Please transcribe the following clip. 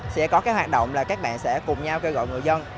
sẽ có cái hoạt động là các bạn sẽ cùng nhau kêu gọi người dân